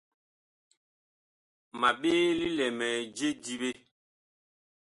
Ma ɓee lilɛmɛɛ je diɓe.